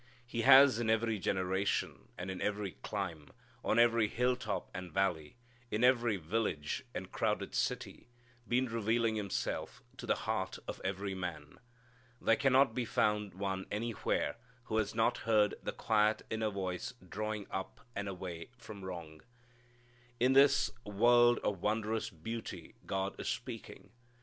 He has in every generation, and in every clime, on every hilltop and valley, in every village and crowded city, been revealing Himself to the heart of every man. There cannot be found one anywhere who has not heard the quiet inner voice drawing up, and away from wrong. In this world of wondrous beauty God is speaking.